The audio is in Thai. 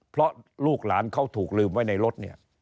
เพราะลูกหลานเขาถูกลืมไว้ในรถเนี่ย